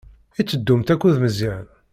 I teddumt akked Meẓyan?